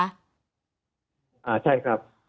ใช่ครับ